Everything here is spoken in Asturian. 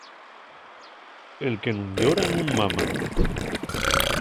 El que nun llora nun mama.